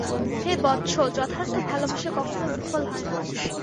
হে বৎস, যথার্থ ভালবাসা কখনও বিফল হয় না।